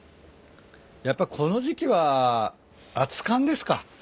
やっぱこの時季は熱かんですか？